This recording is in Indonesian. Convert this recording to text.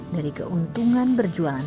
dari keuntungan berjualan